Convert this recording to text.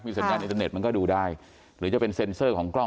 มีเสนออาหารเน็ตมันก็ดูได้หรือจะเป็นเซ็นซ่อของกล้อง